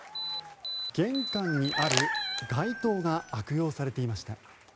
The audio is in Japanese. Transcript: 玄関にある外灯が悪用されていました。